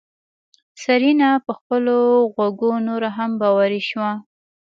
سېرېنا په خپلو غوږو نوره هم باوري شوه.